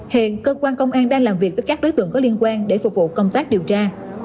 hiện cơ quan công an đang làm việc với các đối tượng có liên quan để phục vụ công tác điều tra